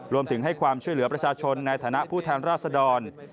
รวมถึงให้ความช่วยเหลือประชาชนในฐานะผู้แทนราษดร